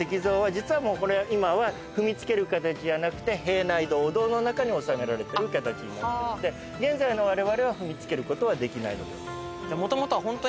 実は今は踏みつける形じゃなくてお堂の中に納められてる形になってるんで現在のわれわれは踏みつけることはできないのです。